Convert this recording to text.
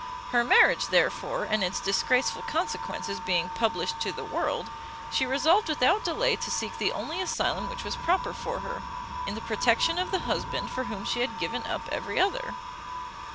Her marriage, therefore, and its disgraceful consequences being published to the world, she resolved without delay to seek the only asylum which was proper for her, in the protection of the husband for whom she had given up every other.